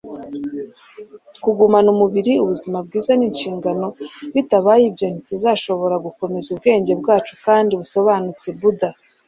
kugumana umubiri ubuzima bwiza ni inshingano bitabaye ibyo ntituzashobora gukomeza ubwenge bwacu kandi busobanutse. - buda